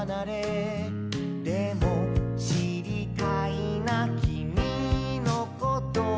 「でもしりたいなきみのこと」